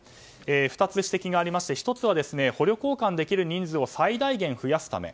２つ指摘がありまして１つは捕虜交換できる人数を最大限増やすため。